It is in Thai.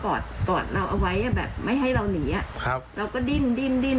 อดกอดเราเอาไว้อ่ะแบบไม่ให้เราหนีอ่ะครับเราก็ดิ้นดิ้นดิ้น